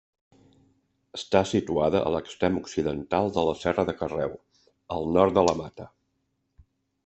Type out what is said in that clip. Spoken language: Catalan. Està situada a l'extrem occidental de la Serra de Carreu, al nord de la Mata.